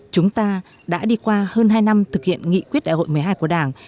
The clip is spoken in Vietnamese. chúng ta đã đi qua hơn hai năm thực hiện nghị quyết đại hội một mươi hai của đảng